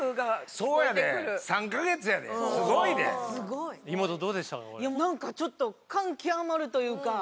いやなんかちょっと感極まるというか。